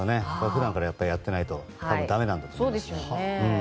普段からやっていないとだめなんだと思います。